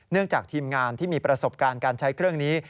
จากทีมงานที่มีประสบการณ์การใช้เครื่องนี้